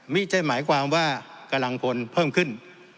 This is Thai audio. ไม่ใช่หมายความว่ากำลังพลเพิ่มขึ้น